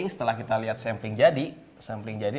setelah kita lihat sampling jadi